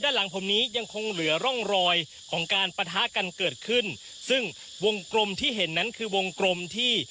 หลังผมนี้ยังคงเหลือร่องรอยของการปะทะกันเกิดขึ้นซึ่งวงกลมที่เห็นนั้นคือวงกลมที่